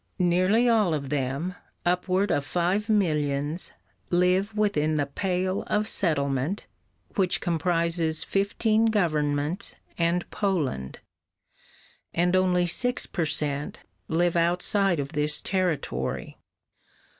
Nearly all of them, upward of five millions, live within the Pale of Settlement, which comprises fifteen governments and Poland, and only six per cent. live outside of this territory.